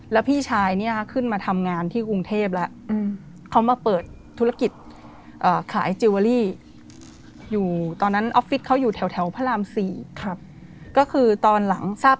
แล้วพี่ชายขึ้นมาทำงานที่กรุงเทพฯแล้ว